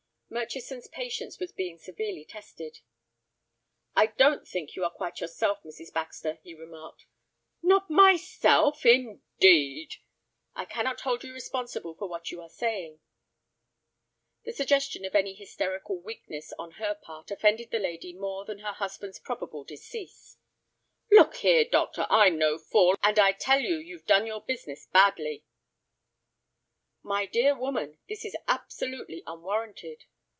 Murchison's patience was being severely tested. "I don't think you are quite yourself, Mrs. Baxter," he remarked. "Not myself, indeed!" "I cannot hold you responsible for what you are saying." The suggestion of any hysterical weakness on her part offended the lady more than her husband's probable decease. "Look here, doctor, I'm no fool, and I tell you you've done your business badly." "My dear woman, this is absolutely unwarranted."